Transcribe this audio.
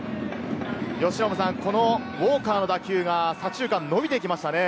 由伸さん、このウォーカーの打球が左中間、伸びていきましたね。